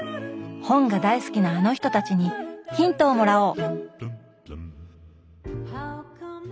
本が大好きなあの人たちにヒントをもらおう！